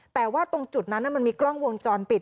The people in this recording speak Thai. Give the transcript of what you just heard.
แต่ว่าตรงจุดนั้นมันมีกล้องวงจรปิด